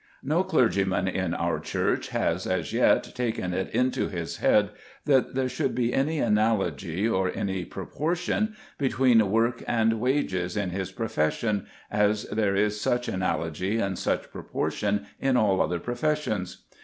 No clergyman in our Church has, as yet, taken it into his head that there should be any analogy, or any proportion, between work and wages in his profession, as there is such analogy and such proportion in all other professions.